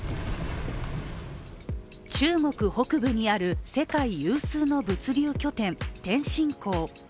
中国北部にある世界有数の物流拠点、天津港。